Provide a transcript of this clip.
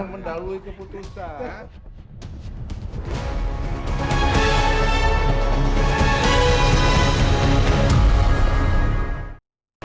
jangan mendalui keputusan